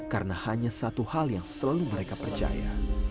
karena hanya satu hal yang selalu mereka percaya